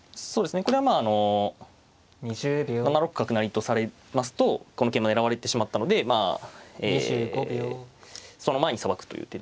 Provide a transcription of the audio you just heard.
これはまああの７六角成とされますとこの桂狙われてしまったのでその前にさばくという手で。